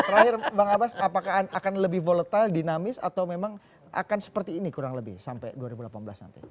terakhir bang abbas apakah akan lebih volatile dinamis atau memang akan seperti ini kurang lebih sampai dua ribu delapan belas nanti